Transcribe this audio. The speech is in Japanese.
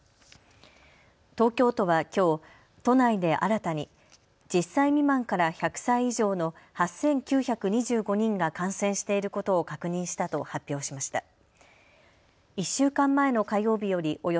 東京都はきょう都内で新たに１０歳未満から１００歳以上の８９２５人が感染していることを確認したと発表しました。